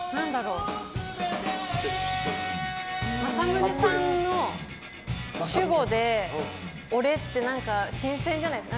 マサムネさんの主語で俺って新鮮じゃないですか。